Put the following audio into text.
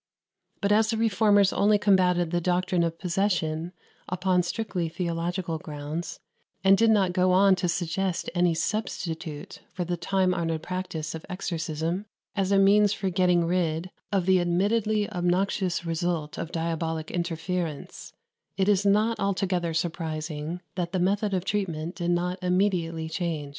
But as the Reformers only combated the doctrine of possession upon strictly theological grounds, and did not go on to suggest any substitute for the time honoured practice of exorcism as a means for getting rid of the admittedly obnoxious result of diabolic interference, it is not altogether surprising that the method of treatment did not immediately change.